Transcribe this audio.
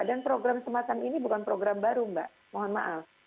dan program sematan ini bukan program baru mbak mohon maaf